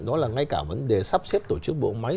đó là ngay cả vấn đề sắp xếp tổ chức bộ máy